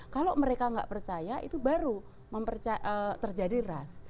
kalau mereka nggak percaya itu baru terjadi ras